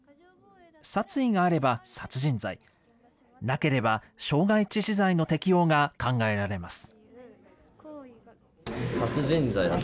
殺意があれば殺人罪、なければ傷害致死罪の適用が考えられます。